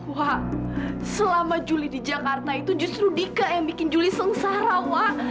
kuha selama juli di jakarta itu justru dika yang bikin juli sengsara wah